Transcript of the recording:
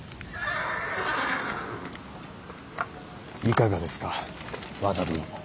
いかがですか和田殿も。